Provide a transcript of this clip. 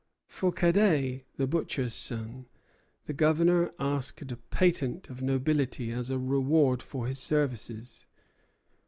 For Cadet, the butcher's son, the Governor asked a patent of nobility as a reward for his services.